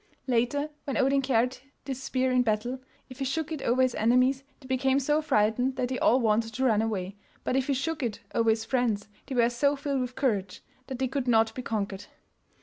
Later, when Odin carried this spear in battle, if he shook it over his enemies they became so frightened that they all wanted to run away, but if he shook it over his friends they were so filled with courage that they could not be conquered.